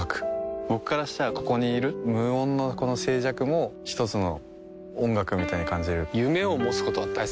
僕からしたらここにいる無音のこの静寂も一つの音楽みたいに感じる夢を持つことは大切ですか？